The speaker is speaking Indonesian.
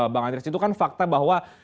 bang andreas itu kan fakta bahwa